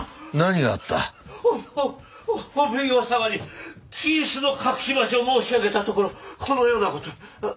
おお奉行様に金子の隠し場所を申し上げたところこのような事に。